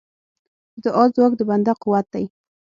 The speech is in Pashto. د دعا ځواک د بنده قوت دی.